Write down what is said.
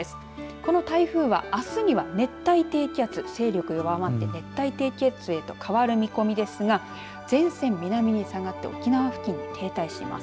この台風は、あすには熱帯低気圧勢力が弱まって熱帯低気圧へと変わる見込みですが前線、南へ下がって沖縄付近に停滞しています。